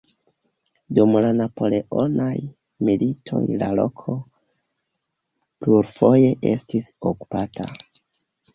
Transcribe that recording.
Dum la Napoleonaj Militoj la loko plurfoje estis okupata.